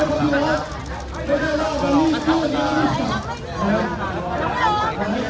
ออกไปออกไป